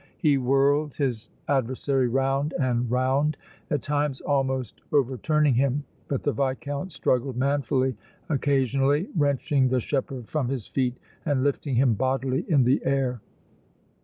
He whirled his adversary round and round, at times almost overturning him, but the Viscount struggled manfully, occasionally wrenching the shepherd from his feet and lifting him bodily in the air.